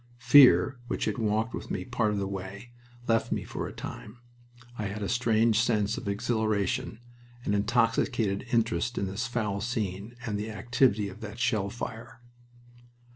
Fear, which had walked with me part of the way, left me for a time. I had a strange sense of exhilaration, an intoxicated interest in this foul scene and the activity of that shell fire.